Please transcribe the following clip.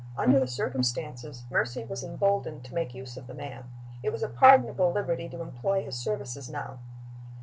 Under the circumstances, Mercy was emboldened to make use of the man. It was a pardonable liberty to employ his services now.